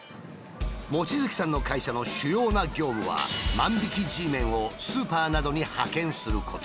望月さんの会社の主要な業務は万引きＧメンをスーパーなどに派遣すること。